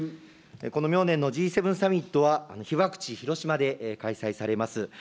この明年のＧ７サミットは被爆地、広島で開催されます。